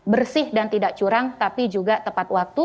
bersih dan tidak curang tapi juga tepat waktu